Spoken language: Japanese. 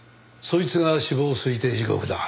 そいつが死亡推定時刻だ。